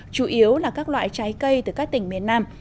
chủ yếu là các loại trái cây từ các tỉnh miền nam